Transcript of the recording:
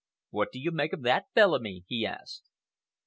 "What do you make of that, Bellamy?" he asked.